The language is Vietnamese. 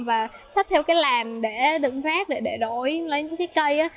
và xách theo cái làn để đựng rác để đổi lấy những cái cây